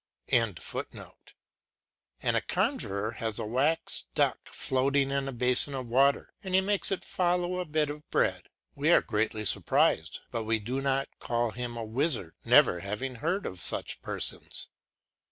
] and a conjuror has a wax duck floating in a basin of water, and he makes it follow a bit of bread. We are greatly surprised, but we do not call him a wizard, never having heard of such persons.